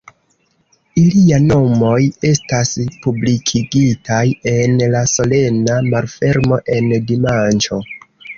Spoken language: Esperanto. Iliaj nomoj estas publikigitaj en la solena malfermo en dimanĉo.